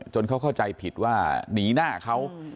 จนเขาเข้าใจผิดว่าหนีหน้าเขา